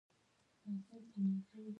د ګنبدو جوړول دلته دود و